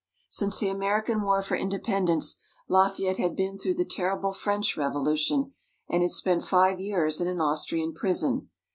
Since the American War for Independence, Lafayette had been through the terrible French Revolution, and had spent five years in an Austrian prison.